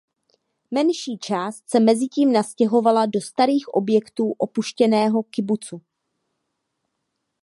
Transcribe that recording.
Menší část se mezitím nastěhovala do starých objektů opuštěného kibucu.